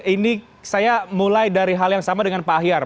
ini saya mulai dari hal yang sama dengan pak ahyar